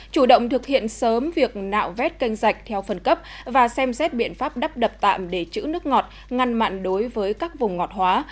chủ động thực hiện sớm việc nạo vét canh dạch theo phần cấp và xem xét biện pháp đắp đập tạm để chữ nước ngọt ngăn mặn đối với các vùng ngọt hóa